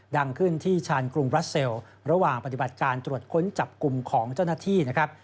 ดังขึ้นที่ชานกรุงบราเซลระหว่างปฏิบัติการตรวจค้นจับกลุ่มของเจ้าหน้าที่นะครับ